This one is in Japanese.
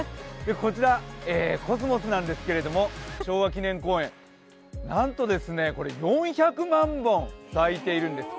こちらコスモスなんですけれども、昭和記念公園なんと４００万本咲いているんです。